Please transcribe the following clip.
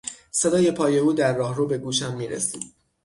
صدای پای او در راهرو به گوشم میرسید.